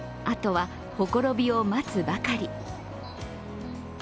あとは、ほころびを待つばかり。